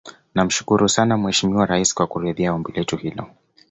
Namshukuru sana Mheshimiwa Rais kwa kuridhia ombi letu hilo